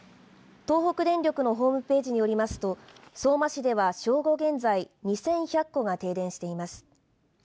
東北電力のホームページによりますと相馬市では正午現在２１００戸が停電しています。